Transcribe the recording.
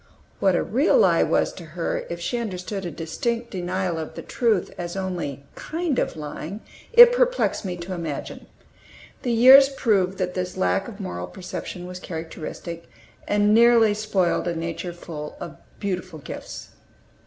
What a real lie was to her, if she understood a distinct denial of the truth as only "kind of" lying, it perplexed me to imagine. The years proved that this lack of moral perception was characteristic, and nearly spoiled a nature full of beautiful gifts.